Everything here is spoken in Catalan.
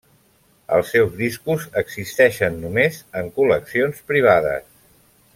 Els seus discos existeixen només en col·leccions privades.